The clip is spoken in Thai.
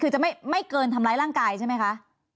คือจะไม่เกินทำร้ายร่างกายใช่ไหมคะ